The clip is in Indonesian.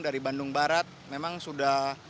dari bandung barat memang sudah